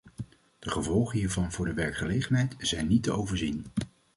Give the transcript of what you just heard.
De gevolgen hiervan voor de werkgelegenheid zijn niet te overzien.